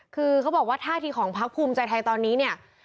คือเขาบอกว่าท่าทีของพักภูมิใจไทยตอนนี้เนี่ย